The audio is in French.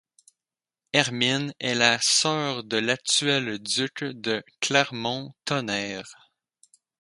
Hermine est la sœur de l'actuel duc de Clermont-Tonnerre.